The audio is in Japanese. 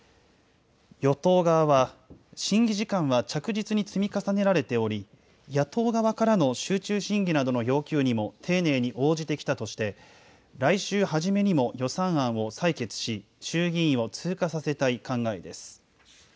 与党側は審議時間は着実に積み重ねられており、野党側からの集中審議などの要求にも丁寧に応じてきたとして、来週初めにも予算案を採決し、衆議院を通過させたい考えです。